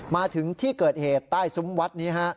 มาถึงที่เกิดเหตุใต้ซุ้มวัดนี้ฮะ